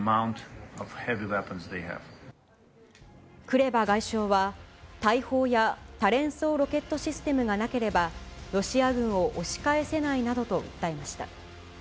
クレバ外相は、大砲や多連装ロケットシステムがなければ、ロシア軍を押し返せないなどと訴えました。